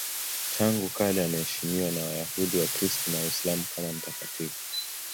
Tangu kale anaheshimiwa na Wayahudi, Wakristo na Waislamu kama mtakatifu.